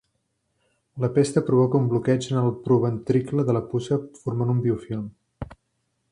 La pesta provoca un bloqueig en el proventricle de la puça formant un biofilm.